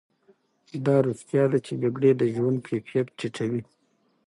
دا رښتیا ده چې جګړې د ژوند کیفیت ټیټوي.